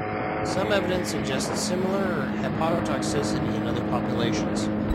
Some evidence suggests similar hepatotoxicity in other populations.